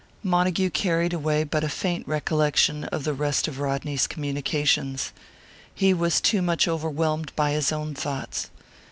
Montague carried away but a faint recollection of the rest of Rodney's communications; he was too much overwhelmed by his own thoughts.